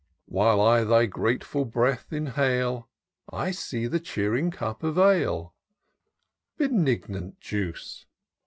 " While I thy grateful breath inhale, I see the cheering cup of ale ; Benignant juice